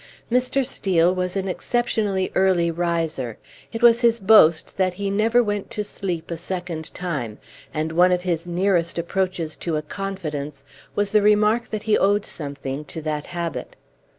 Mr. Steel was an exceptionally early riser. It was his boast that he never went to sleep a second time; and one of his nearest approaches to a confidence was the remark that he owed something to that habit.